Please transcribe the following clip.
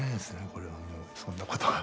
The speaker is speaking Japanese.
これはもうそんなことは。